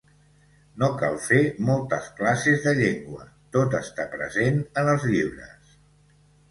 No cal fer moltes classes de llengua, tot està present en els llibres.